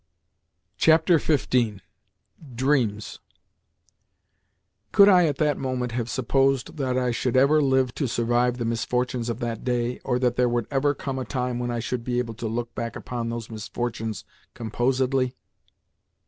XV. DREAMS Could I at that moment have supposed that I should ever live to survive the misfortunes of that day, or that there would ever come a time when I should be able to look back upon those misfortunes composedly?